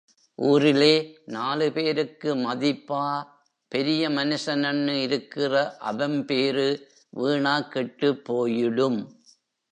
ஊருலே நாலு பேருக்கு, மதிப்பா பெரிய மனுஷென்னு இருக்கிற அவெம் பேரு வீணாக் கெட்டுப் போயிடும்.